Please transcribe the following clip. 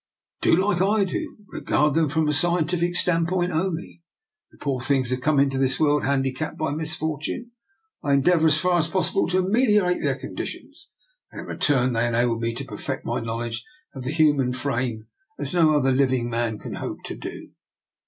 Do like I do, and regard them from a scientific standpoint only. The poor things have come into this world handicapped by misfortune; I endeavour as far as possible to ameliorate their conditions, and in return they enable me to perfect my knowledge of the hu man frame as no other living man can ever hope to do.